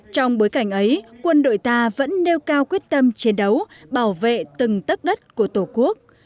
trong bối cảnh ấy quân đội ta vẫn nêu cao quyết tâm chiến đấu bảo vệ từng tất đất của tổ quốc